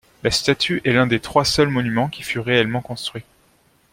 La statue est l'un des trois seuls monuments qui fut réellement construit.